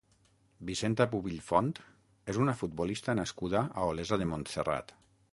Vicenta Pubill Font és una futbolista nascuda a Olesa de Montserrat.